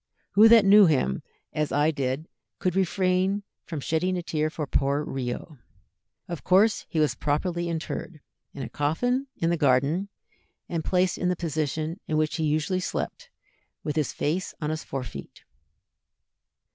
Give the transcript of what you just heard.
Who that knew him as I did could refrain from shedding a tear for poor Rio?" Of course he was properly interred, in a coffin, in the garden, and placed in the position in which he usually slept, with his face on his fore feet.